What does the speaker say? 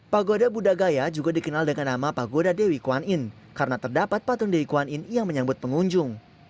pagoda buddhaya juga dikenal dengan nama pagoda dewi kuan in karena terdapat patung dewi kuan in yang menyambut pengunjung